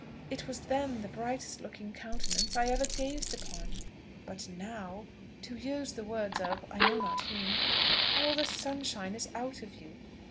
It was then the brightest looking countenance I ever gazed upon: but now to use the words of, I know not whom all the sunshine is out of you."